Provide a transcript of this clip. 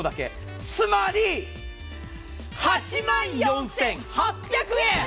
つまり、８万４８００円。